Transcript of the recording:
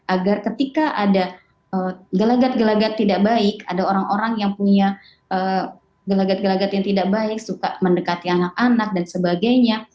agar ketika ada gelagat gelagat tidak baik ada orang orang yang punya gelagat gelagat yang tidak baik suka mendekati anak anak dan sebagainya